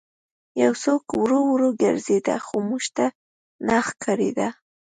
یو څوک ورو ورو ګرځېده خو موږ ته نه ښکارېده